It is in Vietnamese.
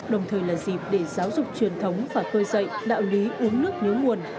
đồng thời là dịp để giáo dục truyền thống và cơ dạy đạo lý uống nước nhớ nguồn